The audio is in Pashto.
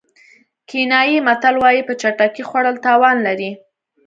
کینیايي متل وایي په چټکۍ خوړل تاوان لري.